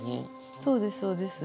そうですそうです。